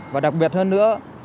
và đặc biệt hơn nữa